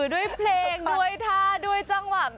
ด้วยเพลงด้วยท่าด้วยจังหวะ